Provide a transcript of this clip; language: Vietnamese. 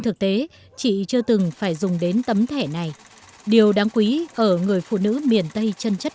thực tế chị chưa từng phải dùng đến tấm thẻ này điều đáng quý ở người phụ nữ miền tây chân chất